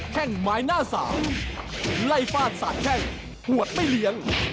แค่งไม้หน้าสามไล่ฟาดสาดแข้งขวดไม่เลี้ยง